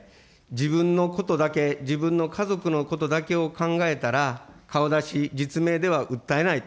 自分のことだけ、自分の家族のことだけを考えたら、顔出し、実名では訴えない。